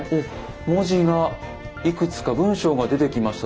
文字がいくつか文章が出てきました。